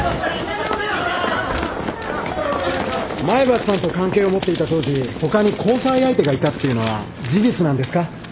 前橋さんと関係を持っていた当時他に交際相手がいたっていうのは事実なんですか？